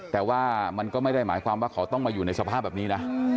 แต่ว่ามันก็ไม่ได้หมายความว่าเขาต้องมาอยู่ในสภาพแบบนี้นะ